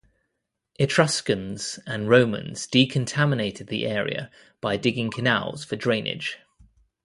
Etruscans and Romans decontaminated the area by digging canals for drainage.